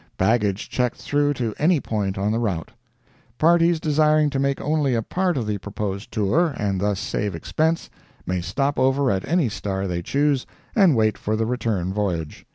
Baggage checked through to any point on the route. Parties desiring to make only a part of the proposed tour, and thus save expense, may stop over at any star they choose and wait for the return voyage.